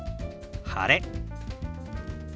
「晴れ」。